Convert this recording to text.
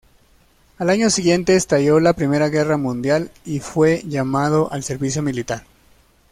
Al año siguiente estalló la Primera Guerra Mundial y fue llamado al servicio militar.